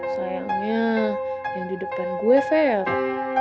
sayangnya yang di depan gue sel